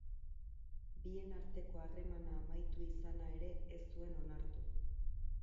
Bien arteko harremana amaitu izana ere ez zuen onartu.